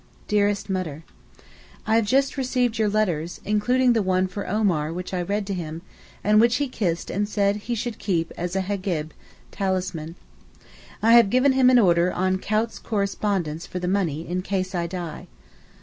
DEAREST MUTTER, I have just received your letters, including the one for Omar which I read to him, and which he kissed and said he should keep as a hegab (talisman). I have given him an order on Coutts' correspondents for the money, in case I die.